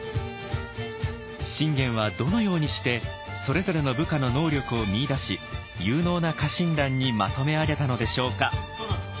信玄はどのようにしてそれぞれの部下の能力を見いだし有能な家臣団にまとめ上げたのでしょうか。